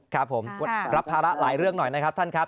ครับผมรับภาระหลายเรื่องหน่อยนะครับท่านครับ